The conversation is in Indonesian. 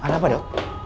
ada apa ya